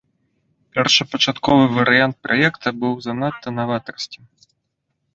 Першапачатковы варыянт праекта быў занадта наватарскім.